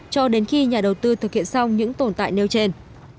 cho đến khi nhà đầu tư thực hiện xong những tồn tại nêu trên